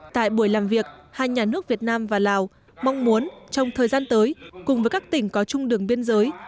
tại buổi làm việc hai nhà nước việt nam và lào mong muốn trong thời gian tới cùng với các tỉnh có chung đường biên giới